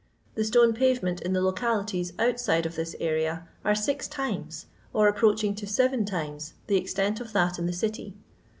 The stone pavement in the localities outside of this area are six times, or approaching to seven times, the extent of that in the City.